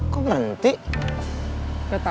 tahan katy suara